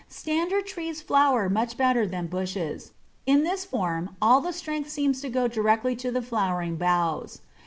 Standard trees flower much better than bushes; in this form all the strength seems to go directly to the flowering boughs.